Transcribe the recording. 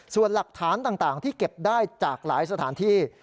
ส่วนหลักฐานต่างที่เก็บได้จากหลายสถานที่